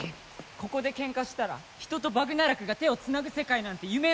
ここでケンカしたら人とバグナラグが手を繋ぐ世界なんて夢のまた夢だ。